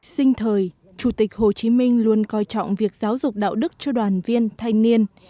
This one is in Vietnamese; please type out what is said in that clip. sinh thời chủ tịch hồ chí minh luôn coi trọng việc giáo dục đạo đức cho đoàn viên thanh niên